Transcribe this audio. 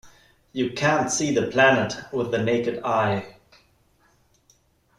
You can't see the planet with the naked eye.